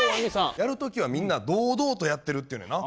やる時はみんな堂々とやってるって言うねんな。